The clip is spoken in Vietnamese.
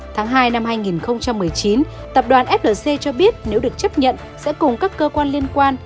tháng hai năm hai nghìn một mươi chín tập đoàn flc cho biết nếu được chấp nhận sẽ cùng các cơ quan liên quan